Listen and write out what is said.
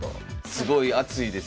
すごい熱いですよね。